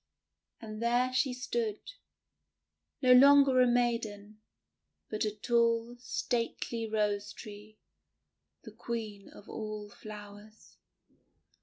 And there she stood, no longer a maiden, but a tall, stately Rose Tree, the Queen of all flowers.